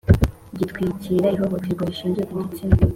gitwikira ihohoterwa rishingiye ku gitsina.